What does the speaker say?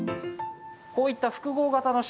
こういった複合型の